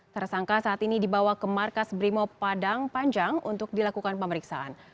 tersangka saat ini dibawa ke markas brimo padang panjang untuk dilakukan pemeriksaan